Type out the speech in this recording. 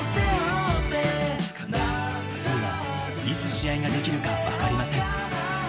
次はいつ試合ができるか分かりません。